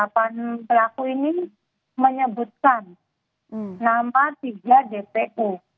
delapan pelaku ini menyebutkan nama tiga dpo